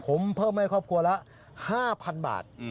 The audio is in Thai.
ผมเพิ่มให้ครอบครัวละ๕๐๐๐บาท